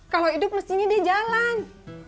kalau hidup mestinya dia jalan